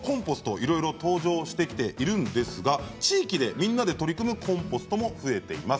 いろいろ登場してきているんですが地域でみんなで取り組むコンポストも増えています。